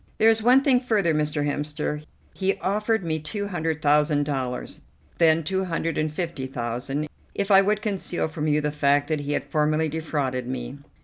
"There is one thing further, Mr. Hemster. He offered me two hundred thousand dollars, then two hundred and fifty thousand, if I would conceal from you the fact that he had formerly defrauded me."